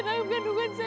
kanda di mana